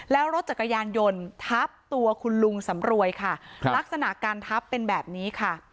แล้วรถจักรยานยนต์ทับตัวคุณลุงสำรวยค่ะลักษณะการทับเป็นแบบนี้ค่ะ